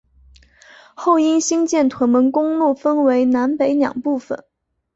后因兴建屯门公路分为南北两部份。